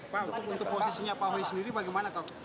pak untuk posisinya pak hoi sendiri bagaimana pak